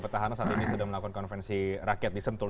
petahana saat ini sedang melakukan konvensi rakyat di sentul